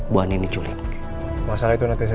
mau naik langsung ke tempat prison